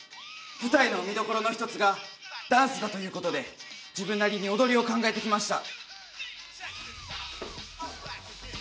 舞台の見どころの１つがダンスだということで自分なりに踊りを考えてきました